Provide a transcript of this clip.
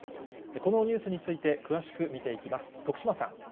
このニュースについて、詳しく見ていきます。